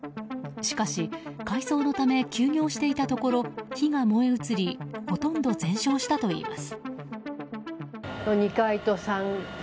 しかし、改装のため休業していたところ火が燃え移りほとんど全焼したといいます。